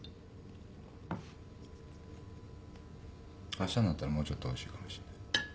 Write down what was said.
あしたになったらもうちょっとおいしいかもしんない。